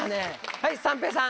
はい三平さん。